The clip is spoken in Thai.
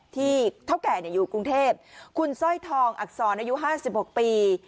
ที่เท่าแก่เนี้ยอยู่กรุงเทพฯคุณซ่อยทองอักษรอายุห้าสิบหกปี